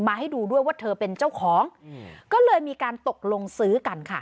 ให้ดูด้วยว่าเธอเป็นเจ้าของก็เลยมีการตกลงซื้อกันค่ะ